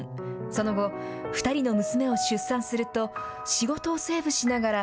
その後、２人の娘を出産すると、仕事をセーブしながら、